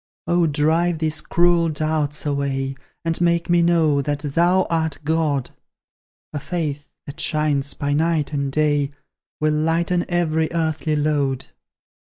Oh, drive these cruel doubts away; And make me know, that Thou art God! A faith, that shines by night and day, Will lighten every earthly load.